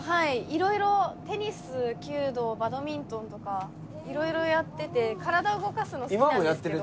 色々テニス弓道バドミントンとか色々やってて体動かすの好きなんですけど。